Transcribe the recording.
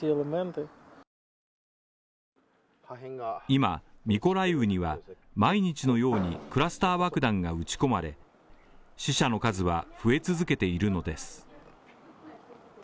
今、ミコライウには、毎日のようにクラスター爆弾が撃ち込まれ、死者の数は増え続けているのです。